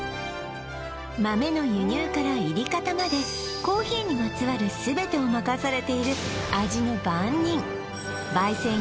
豆の輸入から煎り方までコーヒーにまつわる全てを任されている味の番人